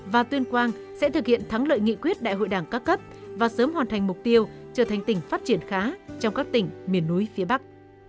và tuyên quang sẽ thực hiện thắng lợi nghị quyết đại hội đảng các cấp và sớm hoàn thành mục tiêu trở thành tỉnh phát triển khá trong các tỉnh miền núi phía bắc